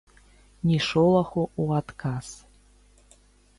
Ні шолаху ў адказ.